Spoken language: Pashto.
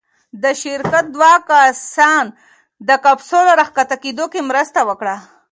د شرکت دوه کسان د کپسول راښکته کېدو کې مرسته وکړه.